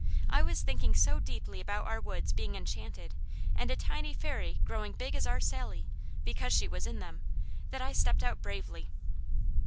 I was thinking so deeply about our woods being Enchanted, and a tiny Fairy growing big as our Sally, because she was in them, that I stepped out bravely.